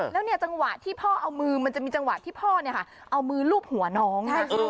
แล้วเนี่ยจังหวะที่พ่อเอามือมันจะมีจังหวะที่พ่อเอามือลูบหัวน้อง